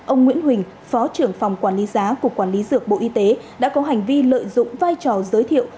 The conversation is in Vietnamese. ông nguyễn huỳnh phó trưởng phòng quản lý giá của quản lý dược bộ y tế đã có hành vi lợi dụng vai trò giới thiệu